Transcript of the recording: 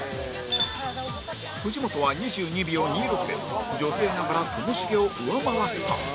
藤本は２２秒２６で女性ながらともしげを上回った